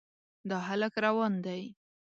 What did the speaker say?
دا هلک روان دی.